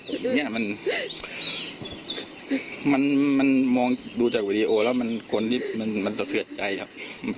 คนบริสุทธิ์แล้วอย่างเด็กอย่างลูกมันมองดูจากวีดีโอแล้วมันสะเซือดใจครับ